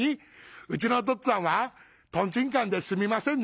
『うちのお父っつぁんはトンチンカンですみませんね』。